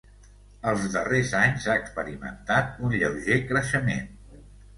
Els darrers anys ha experimentat un lleuger creixement.